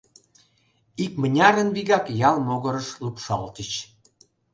Икмынярын вигак ял могырыш лупшалтыч.